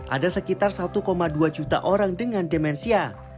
ada sekitar satu dua juta orang dengan demensia